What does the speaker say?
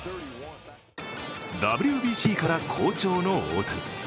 ＷＢＣから好調の大谷。